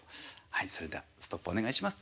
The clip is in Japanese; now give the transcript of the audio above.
それでは「ストップ」お願いします。